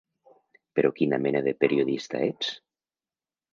Però quina mena de periodista ets?